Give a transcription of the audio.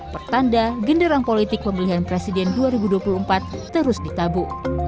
pertanda genderang politik pemilihan presiden dua ribu dua puluh empat terus ditabuh